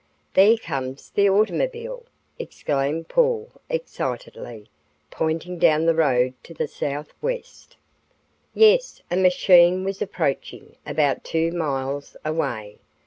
"There comes the automobile!" exclaimed Paul, excitedly, pointing down the highway to the southwest. Yes, a machine was approaching, about two miles away.